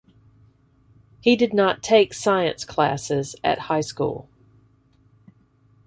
He did not take science classes at high school.